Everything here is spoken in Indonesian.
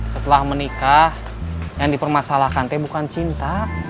setelah menikah yang dipermasalahkan teh bukan cinta